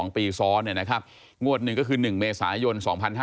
๒ปีซ้อนเนี่ยนะครับงวดหนึ่งก็คือ๑เมษายน๒๕๕๙